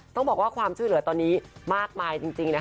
ต้องบอกว่าความช่วยเหลือตอนนี้มากมายจริงนะคะ